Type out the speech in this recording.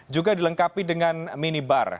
juga dilengkapi dengan mini bar